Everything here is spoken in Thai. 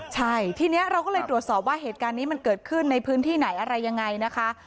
ใช่ทีนี้เราก็เลยตรวจสอบว่าเหตุการณ์นี้มันเกิดขึ้นในพื้นที่ไหนอะไรยังไงนะคะ